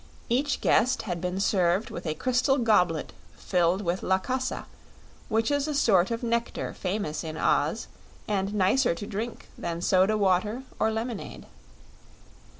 Each guest had been served with a crystal goblet filled with lacasa, which is a sort of nectar famous in Oz and nicer to drink than soda water or lemonade.